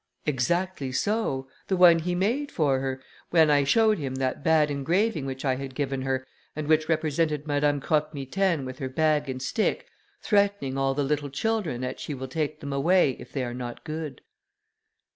"Exactly so, the one he made for her, when I showed him that bad engraving which I had given her, and which represented Madame Croque Mitaine, with her bag and stick, threatening all the little children that she will take them away, if they are not good."